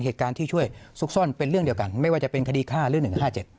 เหตุการณ์ที่ช่วยซุกซ่อนเป็นเรื่องเดียวกันไม่ว่าจะเป็นคดีฆ่าหรือหนึ่งห้าเจ็ด